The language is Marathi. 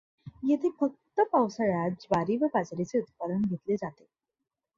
येथे फक्त पावसाळ्यात ज्वारी व बाजरीचे उत्पादन घेतले जाते.